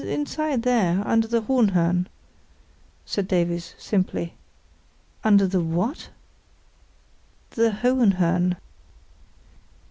"Inside there, under the Hohenhörn," said Davies, simply. "Under the what?" "The Hohenhörn."